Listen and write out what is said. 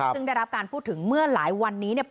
ซึ่งรับการพูดถึงเมื่อหลายวันนี้